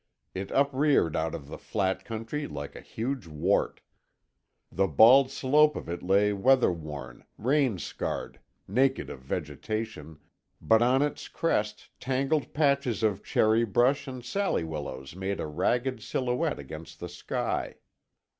It upreared out of the flat country like a huge wart. The bald slope of it lay weather worn, rain scarred, naked of vegetation, but on its crest tangled patches of cherry brush and sally willows made a ragged silhouette against the sky.